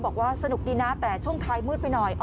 บอกว่าสนุกดีนะแต่ช่วงท้ายมืดไปหน่อย